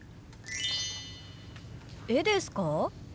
絵ですか？